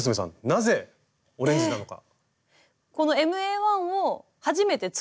なぜオレンジなのか？